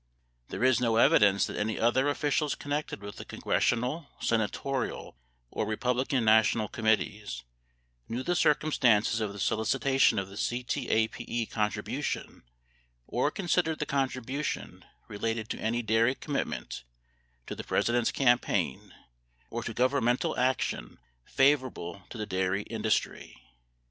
There is no evidence that any other officials connected with the congressional, senatorial, or Republican national committees knew the circumstances of the solicitation of the CTAPE contribution or considered the contribution related to any dairy commitment to the President's campaign or to governmental action favorable to the dairy industry.